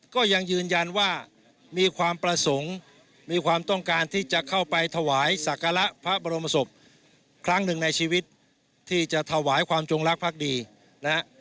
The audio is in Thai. ก็ยังยืนยันว่ามีความประสงค์มีความต้องการที่จะเข้าไปถวายศักระพระบรมศพครั้งหนึ่งในชีวิตที่จะถวายความจงรักภักดีนะฮะ